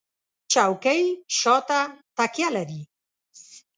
چوکۍ شاته تکیه لري.